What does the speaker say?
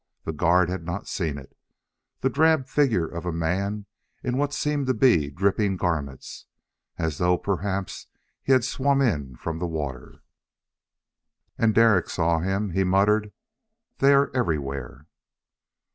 The guard had not seen it the drab figure of a man in what seemed to be dripping garments, as though perhaps he had swum in from the water. And Derek saw him. He muttered, "They are everywhere."